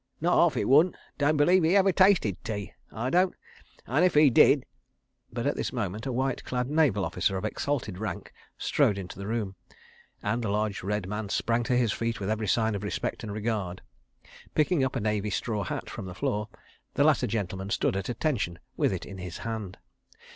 Not arf it wouldn't. Don' believe 'e ever tasted tea, I don't, an' if he did—" But at this moment a white clad naval officer of exalted rank strode into the room, and the large red man sprang to his feet with every sign of respect and regard. Picking up a Navy straw hat from the floor, the latter gentleman stood at attention with it in his hand.